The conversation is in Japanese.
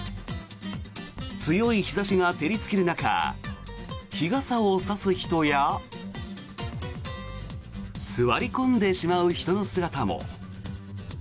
強い日差しが照りつける中日傘を差す人や座り込んでしまう人の姿も。